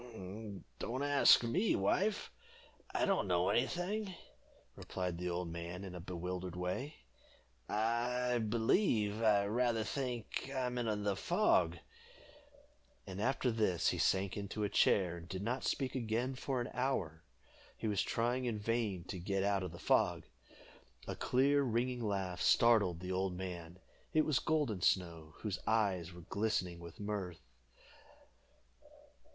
"Don't ask me, wife I don't know any thing," replied the old man in a bewildered way. "I believe I rather think I am in the fog." And after this he sank into a chair, and did not speak again for an hour. He was trying in vain to get out of the fog. A clear, ringing laugh startled the old man; it was Golden Snow, whose eyes were glistening with mirth.